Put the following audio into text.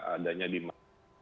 adanya di mana